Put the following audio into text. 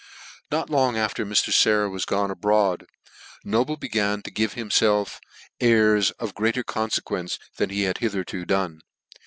Not long after Mr. Sayer was gone abroad, No ble began to give himlelf airs of greater confe quence than he had hitherto done.